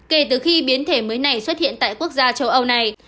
kể từ khi biến thể mới này xuất hiện tại quốc gia châu âu này